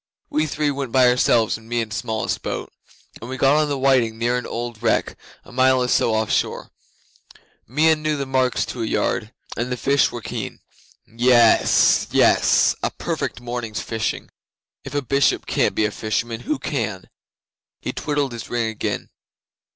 We three went by ourselves in Meon's smallest boat, and we got on the whiting near an old wreck, a mile or so off shore. Meon knew the marks to a yard, and the fish were keen. Yes yess! A perfect morning's fishing! If a Bishop can't be a fisherman, who can?' He twiddled his ring again.